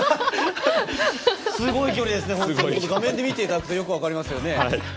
すごい距離ですね、本当に画面で見ていただくとよく分かりますね。